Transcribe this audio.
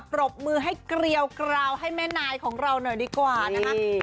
ปรบมือให้เกลียวกราวให้แม่นายของเราหน่อยดีกว่านะคะ